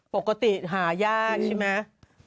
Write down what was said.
ปกติหายากใช่ไหม